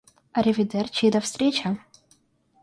Аривидерчи и до встречи!